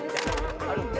ini cuma jambu